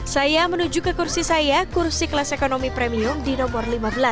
saya menuju ke kursi saya kursi kelas ekonomi premium di nomor lima belas